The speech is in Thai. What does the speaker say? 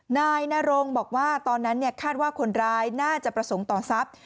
นายนรงบอกว่าตอนนั้นคาดว่าคนร้ายน่าจะประสงค์ต่อทรัพย์